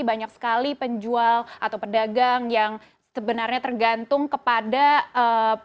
banyak sekali penjual atau pedagang yang sebenarnya tergantung kepada ee